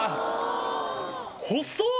細っ！